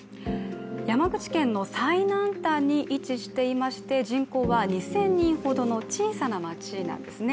山口県の最南端に位置していまして、人口は２０００人ほどの小さな町なんですね。